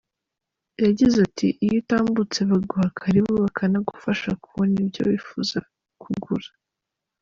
Yagize ati “iyo utambutse baguha karibu bakanagufasha kubona ibyo wifuza kugura.